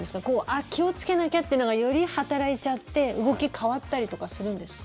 あ、気をつけなきゃっていうのがより働いちゃって動き変わったりとかするんですか？